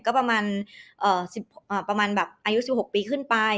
ก็ประมาณเอ่อสิบอ่าประมาณแบบอายุสิบหกปีขึ้นไป